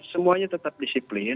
semuanya tetap disiplin